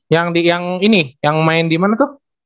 yang di yang ini yang main dimana tuh